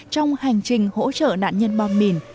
trong hành trình hỗ trợ nạn nhân bom mỉn